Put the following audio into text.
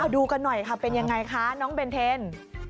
ดูกันหน่อยค่ะเป็นยังไงคะน้องเบนเทน